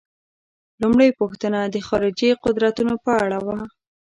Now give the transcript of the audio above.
لومړۍ پوښتنه د خارجي قدرتونو په اړه وه.